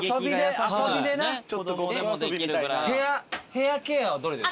ヘアケアはどれですか？